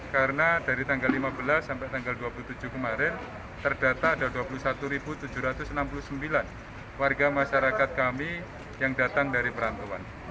karena dari tanggal lima belas sampai tanggal dua puluh tujuh kemarin terdata ada dua puluh satu tujuh ratus enam puluh sembilan warga masyarakat kami yang datang dari perantauan